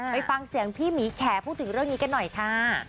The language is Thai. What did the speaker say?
ไปฟังเสียงพี่หมีแขพูดถึงเรื่องนี้กันหน่อยค่ะ